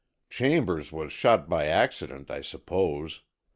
"Chambers was shot by accident, I suppose.